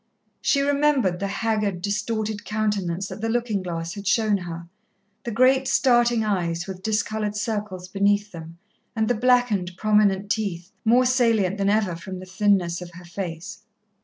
She remembered the haggard, distorted countenance that the looking glass had shown her the great, starting eyes with discoloured circles beneath them, and the blackened, prominent teeth, more salient than ever from the thinness of her face.